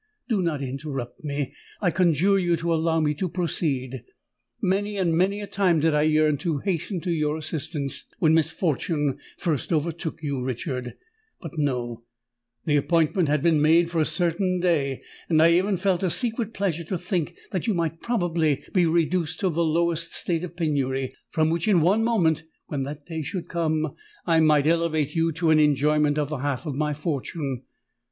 Do not interrupt me—I conjure you to allow me to proceed! Many and many a time did I yearn to hasten to your assistance when misfortune first overtook you, Richard:—but, no—the appointment had been made for a certain day—and I even felt a secret pleasure to think that you might probably be reduced to the lowest state of penury, from which in one moment, when that day should come, I might elevate you to an enjoyment of the half of my fortune!